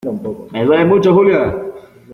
me duele mucho, Julia